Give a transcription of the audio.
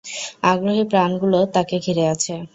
আগ্রহী প্রাণগুলো তাকে ঘিরে আছে।